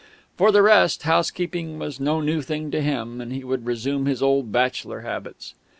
For the rest, housekeeping was no new thing to him, and he would resume his old bachelor habits....